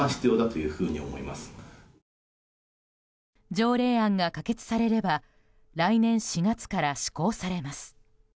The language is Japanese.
条例案が可決されれば来年４月から施行されます。